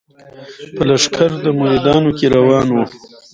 په لښکر د مریدانو کي روان وو